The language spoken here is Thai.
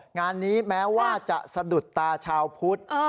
งานนี้แม้ว่าจะสะดุดตาชาวพุทธ